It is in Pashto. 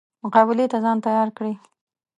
مقابلې ته ځان تیار کړي.